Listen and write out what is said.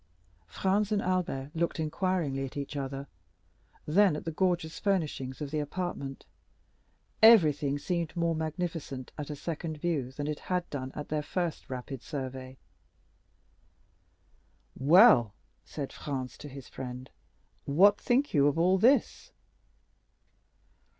Franz and Albert looked inquiringly at each other, then at the gorgeous furnishings of the apartment. Everything seemed more magnificent at a second view than it had done at their first rapid survey. "Well," said Franz to his friend, "what think you of all this?"